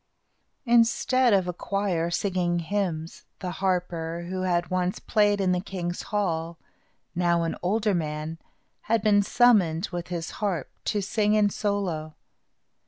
Instead of a choir singing hymns, the harper, who had once played in the king's hall, now an older man, had been summoned, with his harp, to sing in solo.